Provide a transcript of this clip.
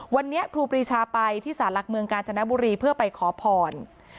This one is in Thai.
วันนี้ครูปรีชาไปที่สารหลักเมืองกาญจนบุรีเพื่อไปขอพร